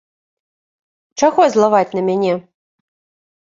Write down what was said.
Чаго злаваць на мяне?